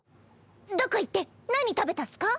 どこ行って何食べたっスか？